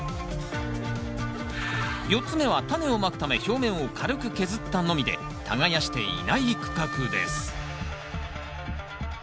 ４つ目はタネをまくため表面を軽く削ったのみで耕していない区画です